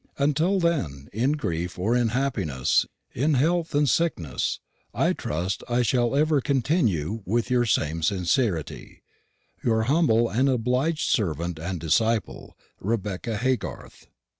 Until then, in grief or in happiness, in health and sickness, I trust I shall ever continue, with y'r same sincerity, "Your humble and obliged Servant and disciple "REBECCA HAYGARTHE."